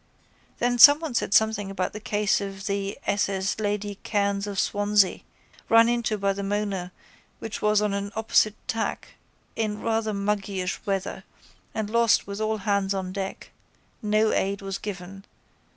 Then someone said something about the case of the s. s. Lady Cairns of Swansea run into by the Mona which was on an opposite tack in rather muggyish weather and lost with all hands on deck. No aid was given.